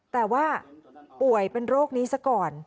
แต่ว่าป่วยเป็นโรคนี้ซะก่อน